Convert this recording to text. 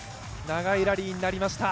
長いラリーになりました。